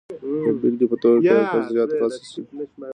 د بېلګې په توګه که یو کس زیات غسه شي